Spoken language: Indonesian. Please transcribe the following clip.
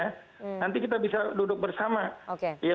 nanti kita bisa duduk bersama